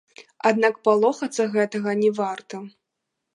Аднак палохацца гэтага не варта.